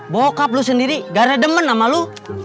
bokap lu sendiri gara demen sama lu